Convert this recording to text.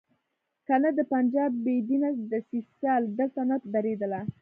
کنه د پنجاب بې دینه دسیسه دلته نه درېدله.